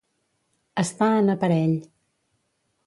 Estar en aparell.